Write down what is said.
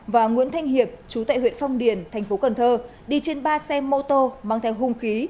và nguyễn thanh hiệp chú tại huyện phong điền thành phố cần thơ đi trên ba xe mô tô mang theo hung khí